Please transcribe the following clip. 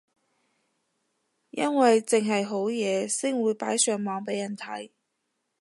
因為剩係好嘢先會擺上網俾人睇